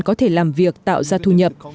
có thể làm việc tạo ra thu nhập